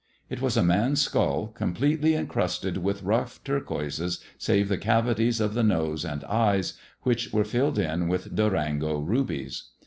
It was a man's skull, completely encrusted with rough turquoises, save the cavities of the nose and eyes, which were filled in with Durango rubies.